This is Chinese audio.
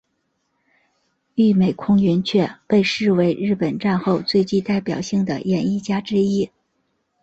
与美空云雀被视为日本战后最具代表性的演艺家之一。